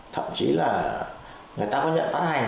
thậm chí là người ta có nhận phát hành